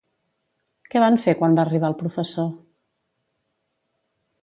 Què van fer quan va arribar el professor?